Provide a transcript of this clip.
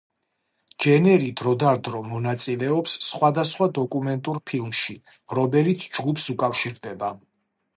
ჯენერი დროდადრო მონაწილეობს სხვადასხვა დოკუმენტურ ფილმში, რომელიც ჯგუფს უკავშირდება.